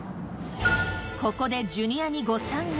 ここでジュニアに誤算が。